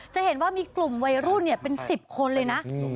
จะเห็นว่ามีกลุ่มวัยรุ่นเนี้ยเป็นสิบคนเลยน่ะอืม